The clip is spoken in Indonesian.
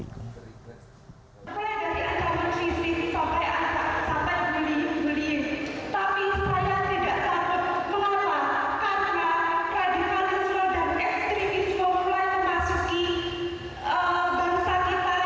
saya tidak sampai berlaku karena kandifaniswa dan ekstrimiswa mulai memasuki bangsa kita